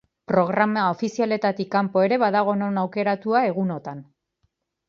Programa ofizialetik kanpo ere badago non aukeratua egunotan.